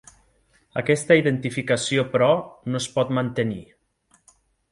Aquesta identificació, però, no es pot mantenir.